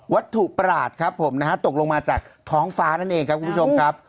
วัตถุประหลาดครับผมนะฮะตกลงมาจากท้องฟ้านั่นเองครับคุณผู้ชมครับ